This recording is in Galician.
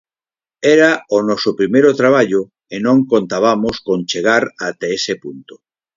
Era o noso primeiro traballo e non contabamos con chegar até ese punto.